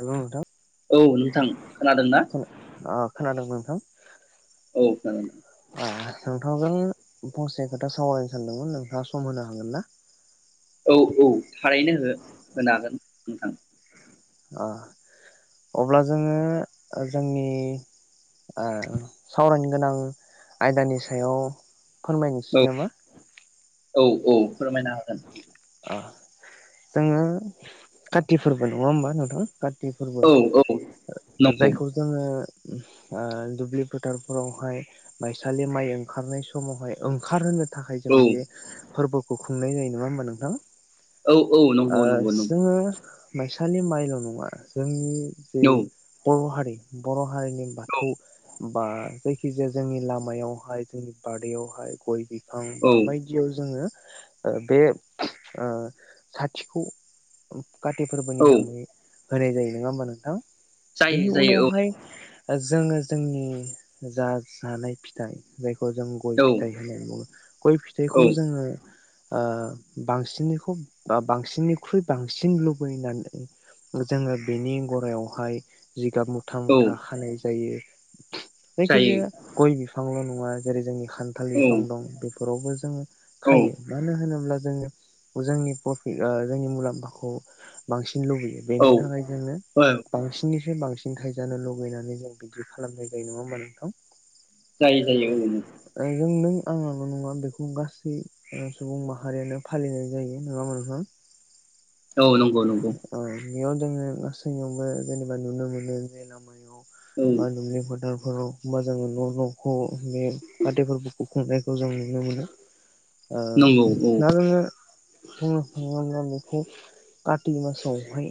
हेल' नोंथां औ नोंथां। खोनादोंना खोना ओ खोनादों बुं। [inaudible] औ खोनादों। नोंथांजों फंसे खोथा सावरायनो सानदोंमोन नोंथाङा सम होनो हागोन ना? औ औ थारैनो हो होनो हागोन। नोंथां। ओ अब्ला जोङो ओ जोंनि ओ सावरायनो गोनां आयदानि सायाव औ फोरमायनोसै नामा? औ औ फोरमायनो हागोन। ओ जोङो कातिफोरबो नङा होमबा नोंथां? काति फोरबो औ औ ओ नंगौ जायखौ जोङो उम ओ दुब्लि फोथारफोरावहाय माइसालि माइ ओंखारनाय समावहाय ओंखारहोनो थाखाय जों औ बे फोरबो खुंनाय जायो नङा होमबा नोंथां? औ औ ओ नंगौ नंगौ नंगौ। जोङो माइसालि माइल' नङा जोंनि बे औ बर' हारि बर' हारिनि बाथौ बा जायखि जाया जोंनि लामायावहाय जोंनि बारैयावहाय गय बि बिफां बा औ औ बायदियाव जोङो ओ बे ओ साथिखौ काति फोरबोनि औ नामै होनाय जायो नङा होमब नोंथां जायो बेनि जायो उनावहाय ओजोङो जोंनि जा जानाय फिथाइ जाय खौ जों गय औ औ फिथाइ होनाय बुङो गय फिथाइखौ औ जोङो ओ बांसिनखौ बांसिननिख्रुइ बांसिन लुबैनानै जोङो बेनि गरायावहाय जिगाब मुथा औ मुथा खानाय जायो [inaudible] जायो जायखिजाया गय बिफ बिफांल' नङा जेरै जोंनि खान्थाल औ बिफां दं बे फोरावबो जोङो औ खायो मानो होनोब्ला जोङो जोंनि प्रफि जोंनि मुलाम्फाखौ बांसि सिन लुबैयो औ बेनि थाखाय जोङो औ बांसिननि साय बांसिन थायजानो लुबैनानै जों बिदि खालामनाय जायो नङा होमा नोंथां जायो जायो औ जों नों आंनाल' नङा बेखौ गासै ओ सुबुं माहारियानो फालिनाय जायो नोङा होमबा नोंथां औ नंगौ नंगौ औ बेयाव जोङो गासैयावबो जेनेबा नुनो मोनो जे लामायाव औ बा दुब्लि फोथार फोराव होमबा जोङो न' न'खौ बे फाथाइफोरखौ खुंनायखौ जों नुनो मोनो ओम नंगौ औ नानोनो [unintelligible] कार्ति मासावहाय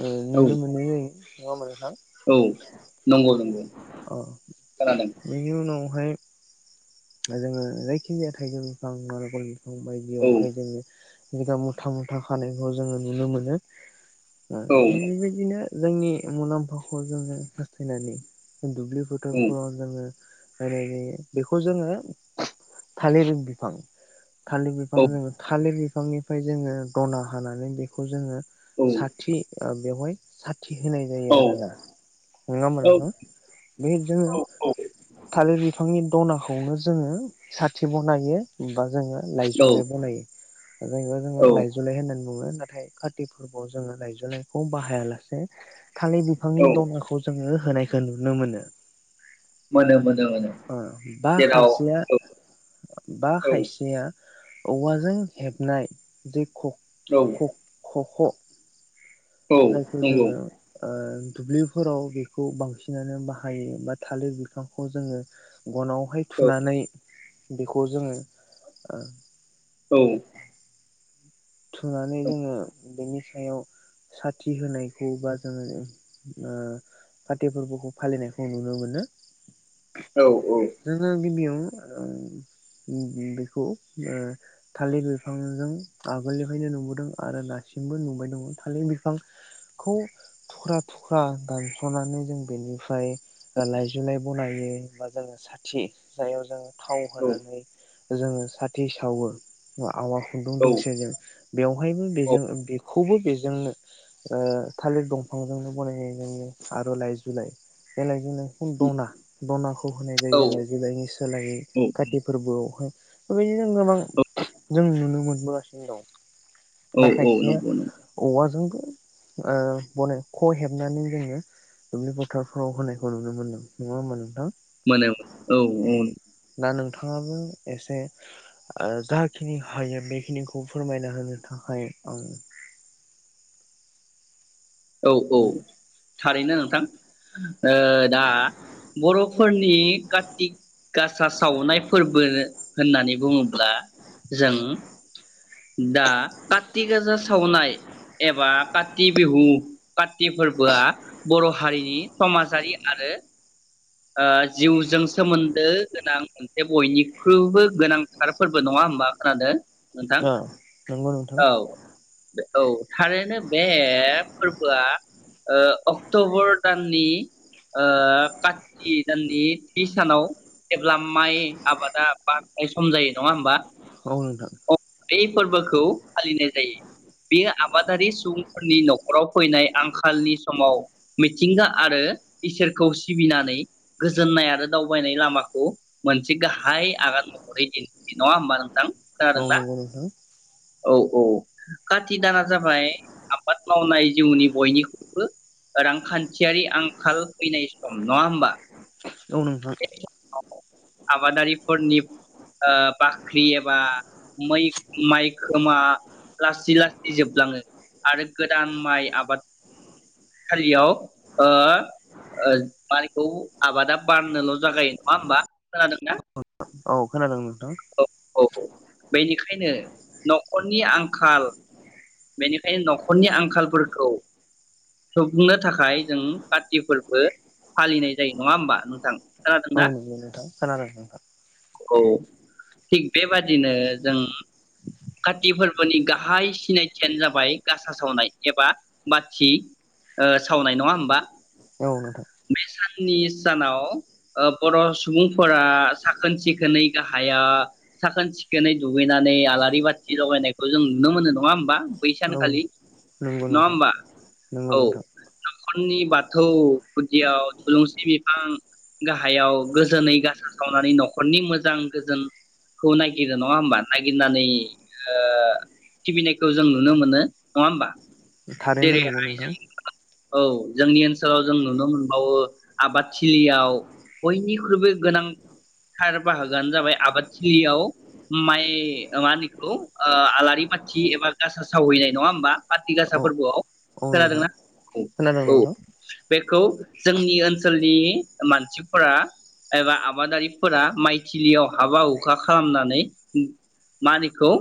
ओ औ नुनो मोननाय जायो नङा होमबा नोंथां औ नंगौ नंगौ अ खोनादों। [inaudible] दा जोङो जायखि जाया थाइजौ बिफां नारिकल बि फां औ बायदियावहाय जोङो मुथा मुथा खानायखौ जोङो नुनो मोनो। ओ औ जों बेबायदिनो जोंनि मुलाम्फाखौ जोङो हास्थायनानै दुब्लि फोथारफोराव जोङो होनाय जायो बेखौ जोङो थालिर बिफां थालि बिफां जोङो थालिर बि फांनिफ्राय जोङो दना हानानै बेखौ जोङो औ साथि ओ बेवहाय सा थि होनाय जायो औ आरो ना। नङा होमबा औ नोंथांन? बे औ जोङो औ थालिर बिफांनि दना खौनो जोङो साथि बनायो बा जोङो औ लायजौलाय बनायो। जेनेबा जोङो औ लायजौलाय होननानै बुङो नाथाय कार्ति फोरबोआव जोङो लाइजौ लाइखौ बाहायालासे थालिर औ बिफांनि दनाखौ जोङो होनायखो नुनो मोनो। मोनो मोनो मोनो। ओ बा जेराव खायसेया औ बा औ खायसेया औवाजों हेबनाय [inaudible] औ ह औ जायखौ नंगौ जोङो ओ दुब्लिफोराव बेखौ बांसिनानो बाहायो बा थालिर बिफांखौ जोङो गनाव हाय औ थुनानै बेखौ जोङो ओ औ। थुनानै जोङो बेनि सायाव साथि होनायखौ बा जोङो ओ काति फोर्बोखौ फालिनायखौ नुनो मोनो। औ जोङो गिबियावनो ओ बेखौ ओ थालिर बिफांजों आगोलनिफ्रायनो नुबोदों आरो दासिमबो नुबाय दङ थालिर बिफांखौ थुख्रा थुख्रा दानस'नानै जों बेनिफ्राय लाइजुलाइ बनायो बा जोङो साथि जायाव जोङो थाव होनानै जोङो साथि सावो ना आवा खुन्दुंदों बेयावहायबो औ बेजों बेख खौबो बेजोंनो ओ थालिर दंफांजोंनो बनायनाय जायो आरो लाइजु लाइ बे लाइजोंनो दना दनाखौ होनाय जायो लाइजौ लाइनि सोलायै काति फोरबोआवहाय बेबायदिनो गोबां जों नुनो मोनबोगासिनो नो औ दं दा नंगौ खायसेया नंगौ औवाजोंबो बने ख हेबनानै जोङो दुब्लि बोथोरफ्राव होनायखौ नुनो मोनदों नङा होमबा नोंथां माने औ औ दा नोंथाङाबो एसे जाखिनि हायो बेखिनिखौ खौ फोरमायना होनो थाखाय आं औ औ थारैनो नोंथां ओ दा बर'फोरनि कारति गासा सावनाय फोरबो होननानै बुङोब्ला जों दा काति आसा सावनाय एबा काति बिहु काति फोरबोआ बर' हारिनि समाजारि आरो जिउजों सोमोन्दो गोनां मोनसे बयनिख्रुइबो गोनांथार फोरबो नङा होमबा खोनादों नोंथां ओ नंगौ नोंथां औ दे औ थारैनो बे अक्ट'बर दाननि ओ काति दाननि थि सानाव जेब्ला माइ आबादा बारनाय सम जायो नङा होमबा औ नोंथां ब फोरबोखौ फालिनाय जायो बेयो आबादारि सुबुंफोरनि न'खराव फैनाय आंखालनि समाव मिथिंगा आरो इसोरखौ सिबिनानै गोजोननाय आरो दावबायनाय लामाखौ मोनसे गाहाय आगान महरै दिन नङा होमबा नोंथां औ खोनादोंना? नंगौ नोंथां औ औ काति दाना जाबाय आबाद मावनाय जिउनि बयनिख्रुइबो रांखान्थियारि आंखाल फैनाय सम नङा होमबा औ नोंथां आबादारिफोरनि ओ बाख्रि एबा मोइ माइ खोमा लासै लासै जोबलाङो आरो गोदान माइ आबाद खालियाव ओ ओ माइखौ आबादा बाननोल' जागायो नङा होमबा खोनादोंना औ खोनादों नोंथां औ बेनिखायनो न'खरनि आंखाल बेनिखायनो न'खरनि आंखालफोरखौ सुफुंनो थाखाय जों काति फोरबो फालिनाय जायो नङा होमबा नोंथां खोनादोंना? औ नंगौ नोंथां खोनादों नोंथां। औ थिग बेबादिनो जों काति फोरबोनि गाहाय सिनाय खाथियानो जाबाय गासा सावनाय एबा बाथि ओ सावनाय नङा होमबा औ नोंथां बे साननि सानाव बर' सुबुंफोरा साखोन सिखोनै गाहाया साखोन सिखोनै दुगैनानै आलारि बाथि लगायनायखौ जों नुनो मोनो नङा होमबा। बै औ सानखालि नंगौ नङा नोंथां होमबा नंगौ औ नोंथां नखरनि बाथौ गुदियाव थुलुंसि बिफां गाहायाव गोजोनै गासा सावनानै न'खरनि मोजां गोजोनखौ नायगिरो नङा होमबा नागिरनानै सिबिनायखौ जों नुनो मोनो नङा होमबा। थारैनो जेरै नंगौ नोंथां। औ जोंनि ओनसोलाव जों नुनो मोनबावो आबादथिलियाव बयनिख्रुइबो गोनांथार बाहागोआनो जाबाय आबादथिलियाव माइ मा होनो‌ इखौ आलारि बाथि एबा गासा सावहैनाय नङा होमबा खाथि गासा‌ [unintelligible] ‌ फोरबोयाव‌ खोनादोंना? खोनादोंं औ नोंथां बेखौ जोंनि ओनसोलनि मानसिफोरा एबा‌ आबादारिफोरा माइथिलियाव हाबा हुखा खालामनानै‌ मा होनो इखौ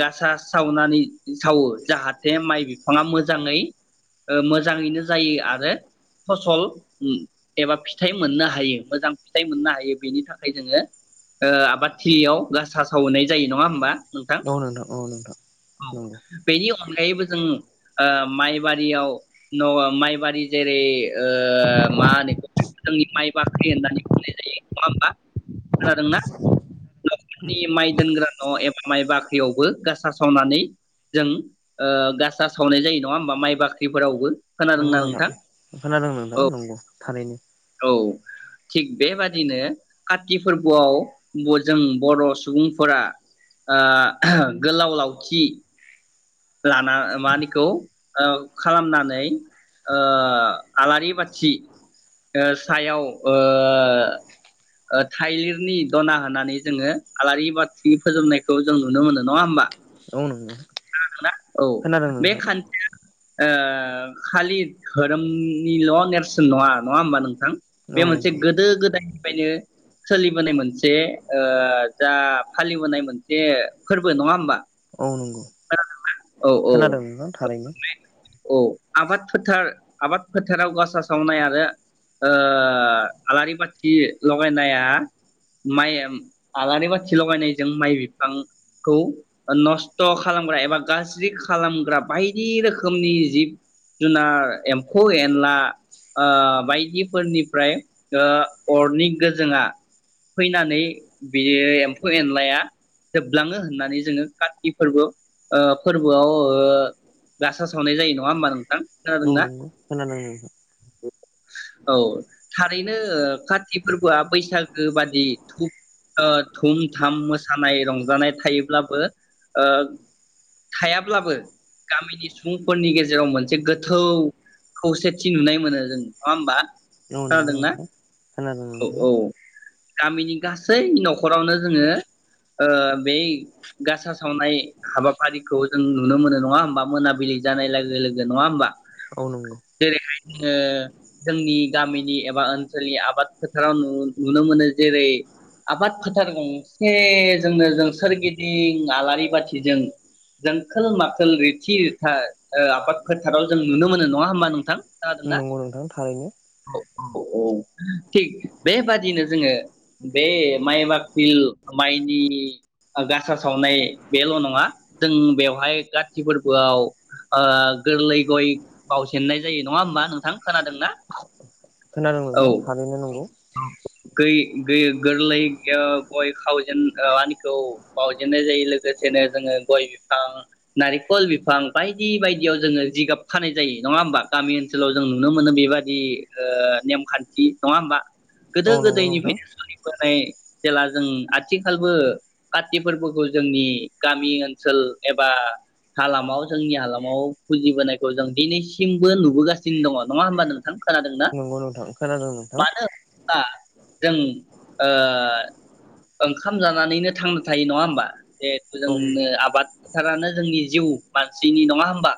गासा सावनानै सावो। जाहाथे माइ बिफाङा मोजाङै ओ मोजाङैनो जायो आरो फसल एबा फिथाइ मोननो हायो मोजां फिथाइ मोननो हायो बेनि थाखाय जोङो ओ आबादथिलियाव गासा सावहैनाय जायो नङा होमबा नंगौ नोंथां औ नोंथां नंगौ औ बेनि अनगायैबो जों ओ माइबारियाव न' माइबारि जेरै ओ मा होनो जोंनि माइ बाख्रि होननानै बुंनाय जायो नङा होमबा खौनादोंना न'खरनि माइ दोनग्रा न' एबा माइ बाख्रियावबो गासा सावनानै जों ओ गासा सावनाय जायो नङा होमबा माइ बाख्रिफोरावबो खोनादोंना नंगौ नोंथां खोनादों नोंथां औ नंगौ थारैनो औ थिग बेबादिनो काति फोरबोआव जों बर' सुबुंफोरा ओ गोलाव लावथि लाना मा होनो इखौ ओ खालामनानै ओ आलारि बाथि ओ सायाव ओ ओ थाइलिरनि दना होनानै जोङो आलारि बाथि फोजोंनायखौ जों नुनो मोनो नङा होमबा। औ नंगौ खोनादोंना‌? औ खोनादों बे नोंथां खान्थिया ओ खालि धोरोमनिल' नेरसोन नङा नङा होमबा नोंथां बे औ मोनसे नंगौ गोदो गोदायनिफ्रायनो सोलिबोनाय मोनसे ओ जा फालिबोनाय मोनसे फोरबो नङा होमबा खोनादोंना? खोनादोंना थारैनो औ आबाद फोथार आबाद फोथाराव गासा सावनाय आरो ओ आलारि बाथि लगायनाया माइ आलारि बाथि लगायनायजों माइ बिफांखौ नस्थ' खालामग्रा एबा गाज्रि खालामग्रा बायदि रोखोमनि जिब जुनार एम्फौ एनला ओ बायदिफोरनिफ्राय ओ अरनि गोजोंआ फैनानै बियो एम्फौ एनलाया जोबलाङो होननानै जोङो काति फोरबो ओ फोरबोआव ओ गासा सावनाय जायो नङा होमबा नोंथां औ खोनादोंना नंगौ खोनादों नोंथां औ थारैनो काति फोरबोआ बैसागो बादि थुप ओ थुम थाम मोसानाय रंजानाय थायोब्लाबो ओ थायाब्लाबो गामिनि सुबुंफोरनि गेजेराव मोनसे गोथौ खौसेथि नुनाय मोनो जों नङा होमबा। औ खोनादोंना नंगौ। खोनादों औ नोंथां औ गामिनि गासै न'खरावनो जोङो ओ बै गासा सावनाय हाबाफारिखौ जों नुनो मोनो नङा होमबा मोनाबिलि जानाय लोगो लोगो नङा होमबा औ नंगौ जेरैहाय जोङो जोंनि गामिनि एबा ओनसोलनि आबाद फोथाराव नुनो मोनो जेरै- आबाद फोथार गंसे जोंनो जों सोरगिदिं आलारि बाथि जों जोंखोल माखोल रिथि रिथा आबाद फोथाराव जों नुनो मोनो नङा होमबा नोंथां खोनादोंना? ओं थारैनो औ औ थिग बेबादिनो जोङो बे माइ बाख्रि माइनि गासा सावनाय बेल' नङा जों बेवहाय गाथि फोरबोआव ओ गोरलै गय बावजेननाय जायो नङा होमबा नोंथां खोनादोंना खोनादों नोंथां थारैनो नंगौ गै-गै-गोरलै ओ गय खावजेन ओ आनिखौ बावजेननाय जायो लो गोसेनो जोङो गय बिफां नारिखल बिफां बायदि बायदियाव जोङो जिगाब खानाय जायो। नङा होमबा? गामि ओनसोलाव जों नुनो मोनो बेबायादि ओ नेमखान्थि। नङा होमबा? गोदो औ नंगौ नोंथां गोदायनिफ्रायनो [inaudible] बोनाय जेला जों आथिखालबो काति फोरबोखौ जोंनि गामि ओनसोल एबा हालामाव जोंनि हालामाव फुजिबोनायखौ जों दिनैसिमबो नुबोगासिनो दङ। नङा होमबा नोंथां खोनादोंना? औ नोंथां खोनादों नोंथां। दा जों ओ ओंखाम जानानैनो थांना थायो। नङा होमबा? जिहेथु औ जोंनो आबाद फोथारानो जोंनि जिउ मानसिनि। नङा होमबा?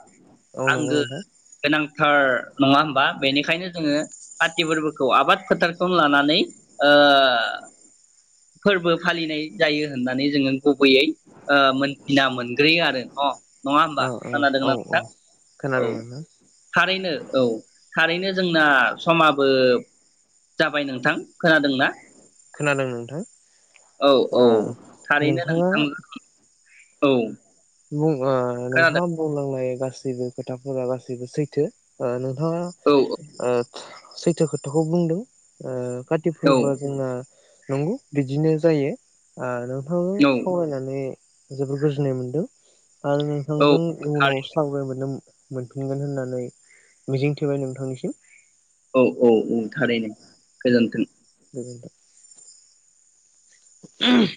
औ नंगौ आंगो नोंथां गोनांथार नङा होमबा? बेनिखायनो जोङो काति फोरबोखौ आबाद फोथारखौनो लानानै ओ फोरबो फालिनाय जायो होननानै जोङो गुबैयै ओ मोनथिना मोनग्रोयो आरो न-नङा होमबा ओ औ खोनादोंना औ नोंथां? औ खोनादों नोंथां थारैनो औ थारैनो जोंना समाबो जाबाय नोंथां खोनादोंना? खोनादों नोंथां। औ ओ औ थारैनो नोंथाङा नोंथांजों औ बुं ओ खोनादों नोंथा बुंलांनाय बा गासैबो खोथाफोरा गासैबो सैथो ओ नों औ [unintelligible] ओ सैथो खोथाखौ बुंदों ओ काति औ फोरबोआ जोंना नंगौ बिदिनो जायो आरो थांजों औ सावरायनानै जोबोर गोजोननाय मोनदों। आरो औ नोंथांजों उनाव थारैनो सावरायबावनो मोनफिनगोन होननानै मिजिं थिबाय नोंथांनिसिम। औ औ औ थारैनो गोजोनथों। गोजोनथों। ओम